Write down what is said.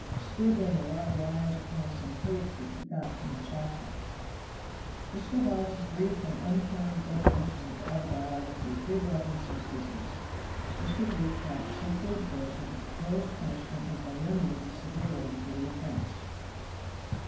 "Scribbling a lot of lies upon some paper he got from the chaplain." Mr. Hawes's brief and unkind definition of autobiography did Robinson's business. Mr. Woodcock simply observed that the proposed punishment was by no means a severe one for the offense.